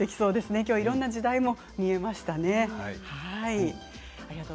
きょうはいろんな時代も見ることができましたね。